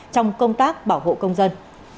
trong công tác bảo hộ công dân